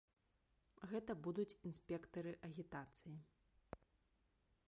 Гэта будуць інспектары агітацыі.